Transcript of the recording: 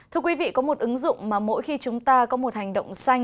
thưa quý vị có một ứng dụng mà mỗi khi chúng ta có một hành động xanh